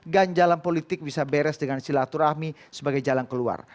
ganjalan politik bisa beres dengan silaturahmi sebagai jalan keluar